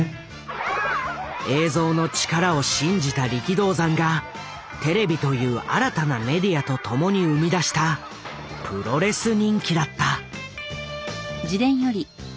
映像の力を信じた力道山がテレビという新たなメディアと共に生み出したプロレス人気だった。